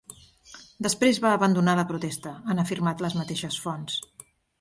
Després va abandonar la protesta, han afirmat les mateixes fonts.